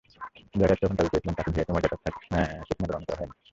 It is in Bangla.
ব্ল্যাটার তখন দাবি করেছিলেন, তাঁকে ভিআইপি মর্যাদায় সেখানে গ্রহণ করা হয়নি।